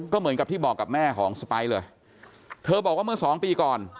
ก็เหมือนกับที่บอกกับแม่ของสไปร์เลยเธอบอกว่าเมื่อสองปีก่อน